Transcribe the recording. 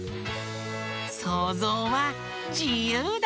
そうぞうはじゆうだ！